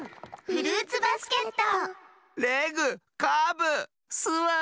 「フルーツバスケット」